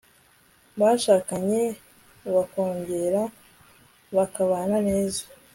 bashakanye bakongera bakabana neza